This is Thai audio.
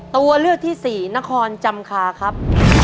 ตัวเลือกที่สี่นครจำคาครับ